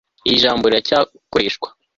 Iri jambo riracyakoreshwa